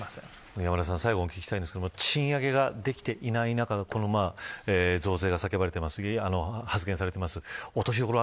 山田さん、最後にお聞きしたいんですが賃上げができていない中でこの増税が発言されています。